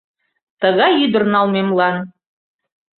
Тыгай ӱдыр налмемлан.